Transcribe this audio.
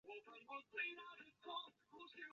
安徽威灵仙为毛茛科铁线莲属下的一个种。